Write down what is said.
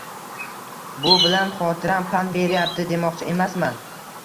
Bu bilan xotiram pand beryapti demoqchi emasman.